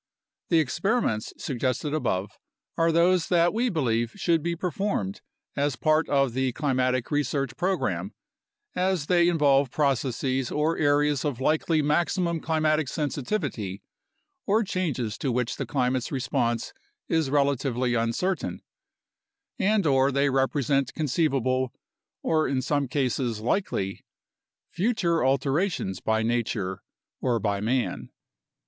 The experiments sug gested above are those that we believe should be performed as part of the climatic research program, as they involve processes or areas of likely maximum climatic sensitivity or changes to which the climate's response is relatively uncertain, and/or they represent conceivable (or in some cases likely) future alterations by nature or by man.